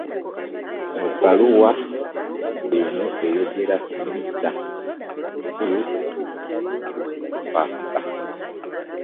Mu bbaluwa eno ayogera ku "Missa enkulu" eya Paska.